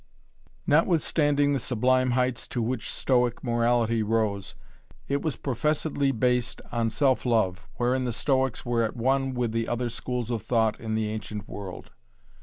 Notwithstanding the sublime heights to which Stoic morality rose. It was professedly based on self love, wherein the Stoics were at one with the other schools of thought in the ancient world.